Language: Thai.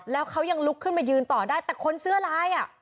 แล้วเขายังลุกขึ้นมายืนต่อได้แต่คนเสื้อลายอ่ะ